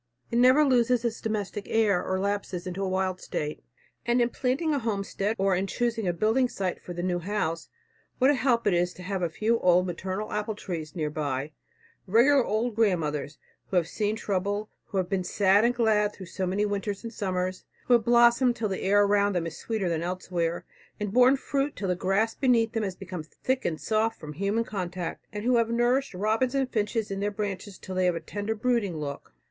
It never loses its domestic air, or lapses into a wild state. And in planting a homestead, or in choosing a building site for the new house, what a help it is to have a few old, maternal apple trees near by; regular old grandmothers, who have seen trouble, who have been sad and glad through so many winters and summers, who have blossomed till the air about them is sweeter than elsewhere, and borne fruit till the grass beneath them has become thick and soft from human contact, and who have nourished robins and finches in their branches till they have a tender, brooding look.